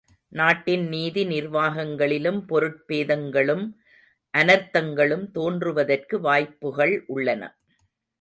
நாட்டின் நீதி நிர்வாகங்களிலும், பொருட் பேதங்களும், அனர்த்தங்களும், தோன்றுவதற்கு வாய்ப்புகள் உள்ளன.